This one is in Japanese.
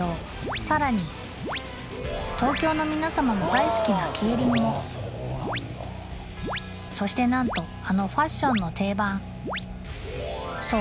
さらに東京の皆様も大好きな競輪もそしてなんとあのファッションの定番そう